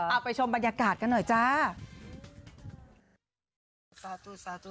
เอาไปชมบรรยากาศกันหน่อยจ้า